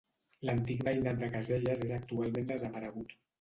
L'antic veïnat de Caselles és actualment desaparegut.